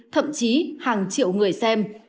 thậm chí hàng triệu người xem